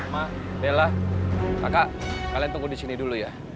mak bella kakak kalian tunggu di sini dulu ya